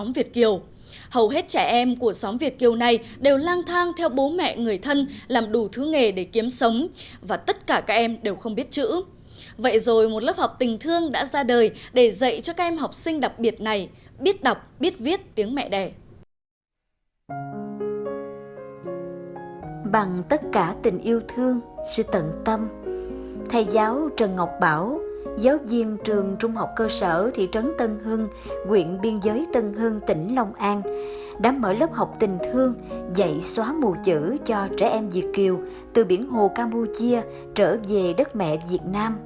vậy rồi một lớp học tình thương đã ra đời để dạy cho các em học sinh đặc biệt này biết đọc biết viết tiếng mẹ đẻ